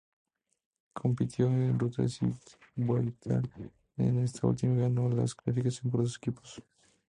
Compitió en Rutas y Vuelta y en esta última, ganó la clasificación por equipos.